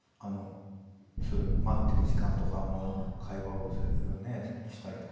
待っている時間とかも会話をしたりとか。